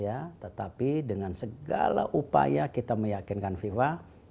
ya tetapi dengan segala upaya kita meyakinkan fifa